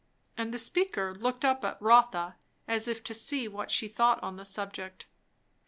And the speaker looked up at Rotha, as if to see what she thought on the subject.